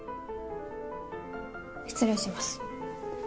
失礼します。